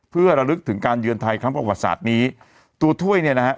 เพื่อระลึกถึงการเยือนไทยครั้งประวัติศาสตร์นี้ตัวถ้วยเนี่ยนะฮะ